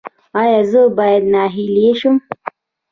ایا زه باید ناهیلي شم؟